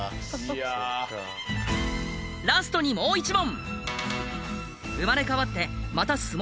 ラストにもう一問。